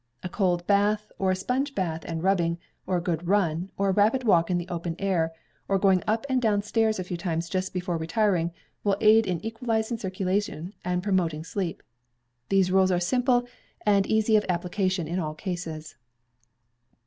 A cold bath, or a sponge bath and rubbing, or a good run, or a rapid walk in the open air, or going up and down stairs a few times just before retiring, will aid in equalizing circulation and promoting sleep. These rules are simple, and easy of application in all cases.